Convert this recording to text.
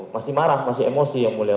masih marah masih emosi yang mulia